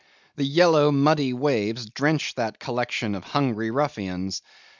The yellow muddy waves drenched that collection of hungry ruffians.